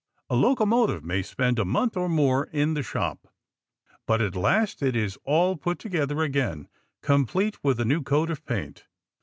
A locomotive may spend a month or more in the shop. But at last it is all put together again, complete with a new coat of paint.